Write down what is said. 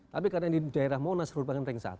tapi karena di daerah monas rupanya ring satu